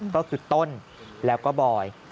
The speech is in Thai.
ก็คือต้นและบอย